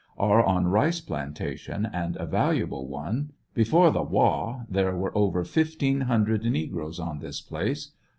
Are on rice planta tion, and a valuable one. Before the "wall" there were over fifteen hundred negroes on this place.